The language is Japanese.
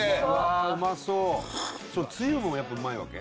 あうまそうつゆもやっぱうまいわけ？